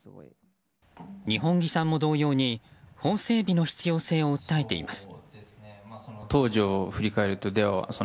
二本樹さんも同様に法整備の必要性を訴えています。